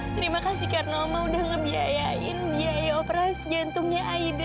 terima kasih karena oma sudah membiayai operasi jantungnya aida